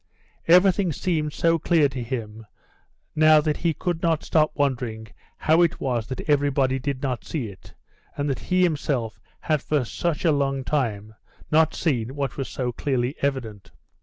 Everything seemed so clear to him now that he could not stop wondering how it was that everybody did not see it, and that he himself had for such a long while not seen what was so clearly evident.